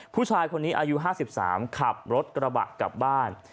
ผู้ชายคนนี้อายุ๕๓ขับรถกระบะกลับบ้าน